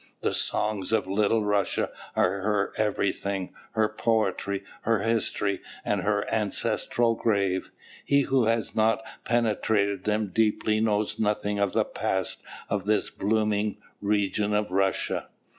The songs of Little Russia are her everything, her poetry, her history, and her ancestral grave. He who has not penetrated them deeply knows nothing of the past of this blooming region of Russia."